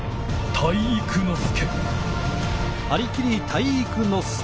体育ノ介！